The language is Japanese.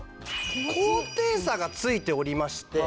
高低差がついておりまして。